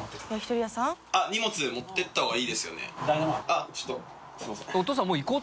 あっちょっとすみません。